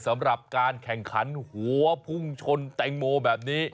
สำหรับการแข่งขันหัวพุ่งชนแตงโมแบบนี้